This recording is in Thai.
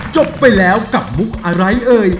จบไปแล้วกับมุกอะไรเอ่ย